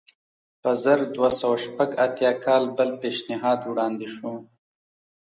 په زر دوه سوه شپږ اتیا کال بل پېشنهاد وړاندې شو.